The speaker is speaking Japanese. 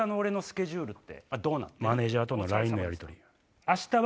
マネジャーとのＬＩＮＥのやりとり。